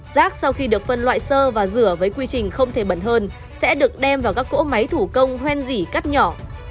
rác sau khi được phân loại sơ và rửa với quy trình không thể bẩn hơn sẽ được đem vào các cỗ máy thủ công hoen dỉ cắt nhỏ